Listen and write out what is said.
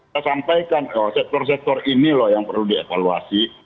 saya sampaikan bahwa sektor sektor ini loh yang perlu dievaluasi